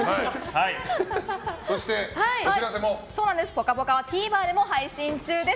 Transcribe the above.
「ぽかぽか」はＴＶｅｒでも配信中です。